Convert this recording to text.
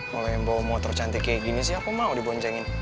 kalau yang bawa motor cantik kayak gini sih aku mau diboncengin